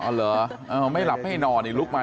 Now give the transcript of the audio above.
อ๋อเหรอไม่หลับไม่ให้นอนอีกลุกมา